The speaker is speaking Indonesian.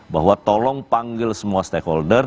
bahwa tolong panggil semua stakeholder